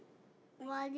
終わり。